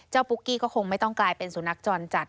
ปุ๊กกี้ก็คงไม่ต้องกลายเป็นสุนัขจรจัด